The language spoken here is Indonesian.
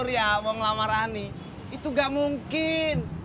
ya bang lamarani itu gak mungkin